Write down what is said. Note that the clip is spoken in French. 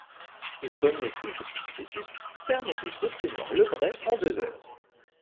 Une bonne maîtrise de ce processus permettait d'obtenir le brai en deux heures.